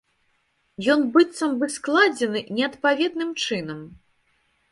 Ён быццам бы складзены неадпаведным чынам.